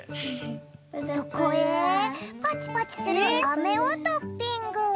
そこへパチパチするアメをトッピング。